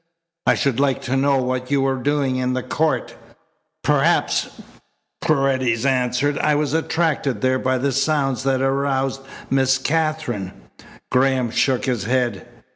"I should like to know what you were doing in the court." "Perhaps," Paredes answered, "I was attracted there by the sounds that aroused Miss Katherine." Graham shook his head.